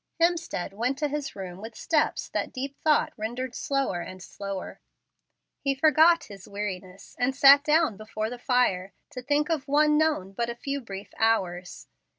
Hemstead went to his room with steps that deep thought rendered slower and slower. He forgot his weariness, and sat down before the fire to think of one known but a few brief hours.